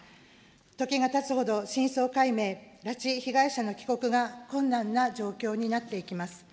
時がたつほど真相解明、拉致被害者の帰国が困難な状況になっていきます。